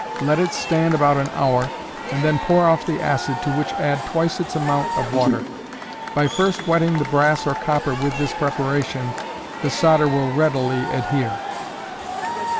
Let it stand about an hour, and then pour off the acid, to which add twice its amount of water. By first wetting the brass or copper with this preparation, the solder will readily adhere.